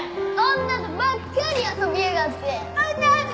女とばっかり遊びやがって女男！